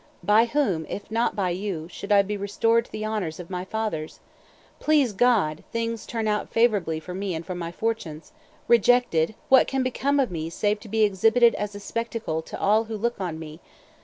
By whom, if not by you, should I be restored to the honors of my fathers? Please God things turn out favorably for me and for my fortunes! Rejected, what, can become of me save to be exhibited as a spectacle to all who look on me?